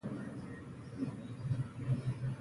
د موټر تیلو ډکول د اوږده سفر لپاره مهم دي.